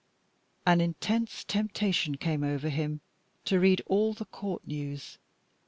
An intense temptation came over him to read all the Court news.